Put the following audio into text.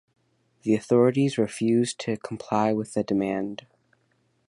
The authorities refuse to comply with the demand.